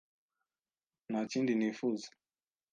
Nta kindi nifuza.